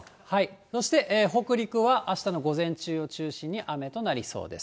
そして北陸はあしたの午前中を中心に雨となりそうです。